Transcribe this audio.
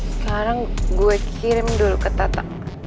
sekarang gue kirim dulu ke tatang